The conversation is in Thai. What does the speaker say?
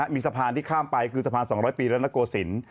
มีสะพานที่ข้ามไปคือสะพาน๒๐๐ปีและนโกศิลป์